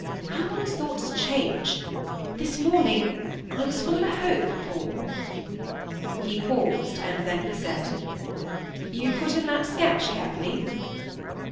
"How one's thoughts change,—this morning I was full of a hope, Paul." He paused, and then he said,— "You put that sketch in carefully?"